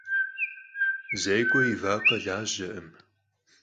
Zêk'ue yi vakhe lajerkhım.